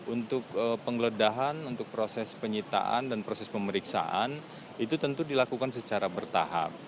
untuk penggeledahan untuk proses penyitaan dan proses pemeriksaan itu tentu dilakukan secara bertahap